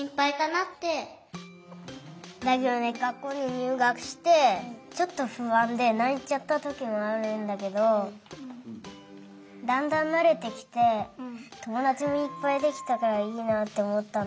学校ににゅうがくしてちょっとふあんでないちゃったときもあるんだけどだんだんなれてきてともだちもいっぱいできたからいいなっておもったの。